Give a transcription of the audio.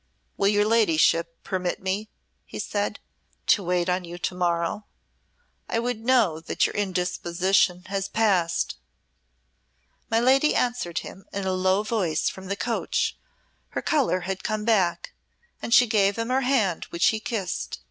"Will your ladyship permit me," he said, "to wait on you to morrow? I would know that your indisposition has passed." My lady answered him in a low voice from the coach; her colour had come back, and she gave him her hand which he kissed.